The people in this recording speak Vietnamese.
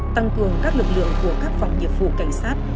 tăng cường các lực lượng của các phòng nghiệp vụ cảnh sát